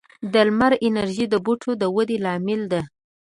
د لمر انرژي د بوټو د ودې لامل ده.